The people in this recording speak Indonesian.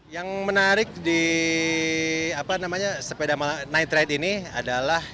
yang menarik di sepeda night ride ini adalah